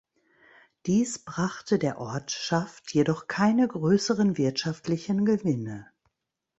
Dies brachte der Ortschaft jedoch keine größeren wirtschaftlichen Gewinne.